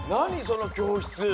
その教室。